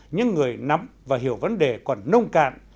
người nắm và hiểu vấn đề còn nông cạn